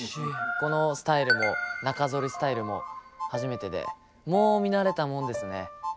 このスタイルも中剃りスタイルも初めてでもう見慣れたもんですね。